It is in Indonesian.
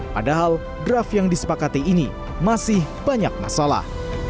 padahal draft yang disepakati ini masih banyak masalah